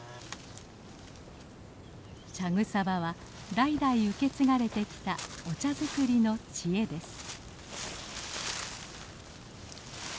茶草場は代々受け継がれてきたお茶作りの知恵です。